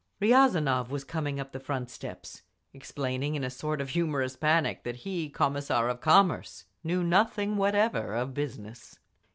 Riazanov was coming up the front steps, explaining in a sort of humorous panic that he, Commissar of Commerce, knew nothing whatever of business.